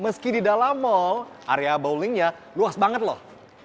meski di dalam mall area bowlingnya luas banget loh